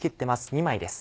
２枚です。